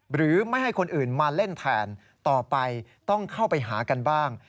หรือไม่ให้คนอื่นมาเล่นแทนต่อไปต้องเข้าไปหากันบ้าง